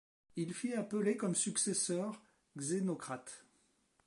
Il fit appeler comme successeur Xénocrate.